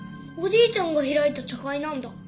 おじいちゃんが開いた茶会なんだ。